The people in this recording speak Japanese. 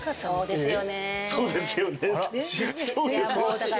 「そうですよね」って。